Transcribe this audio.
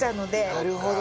なるほど。